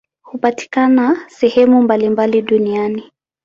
Hupatikana sehemu mbalimbali duniani.